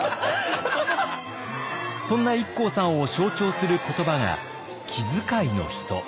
そんなＩＫＫＯさんを象徴する言葉が「気遣いの人」。